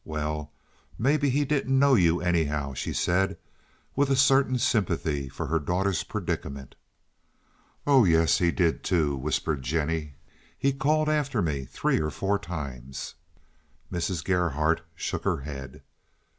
"Well, maybe he didn't know you, anyhow," she said, with a certain sympathy for her daughter's predicament. "Oh yes, he did, too," whispered Jennie. "He called after me three or four times." Mrs. Gerhardt shook her head.